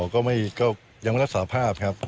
ก็ไม่รักษาภาพครับ